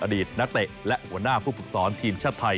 อดีตนักเตะและหัวหน้าผู้ฝึกสอนทีมชาติไทย